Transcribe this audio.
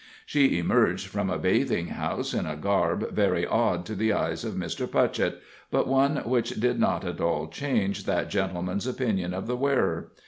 She emerged from a bathing house in a garb very odd to the eyes of Mr. Putchett, but one which did not at all change that gentleman's opinion of the wearer.